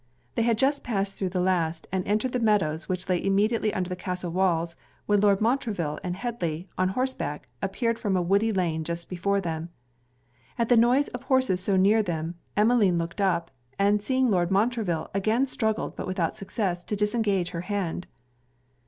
They had just passed through the last, and entered the meadows which lay immediately under the castle walls, when Lord Montreville and Headly, on horseback, appeared from a woody lane just before them. At the noise of horses so near them, Emmeline looked up, and seeing Lord Montreville, again struggled, but without success, to disengage her hand.